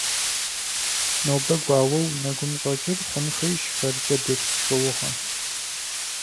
Нобэ гуауэу нэгум щӀэкӀыр хъун хуейщ фэркӀэ дерс шыугъэ.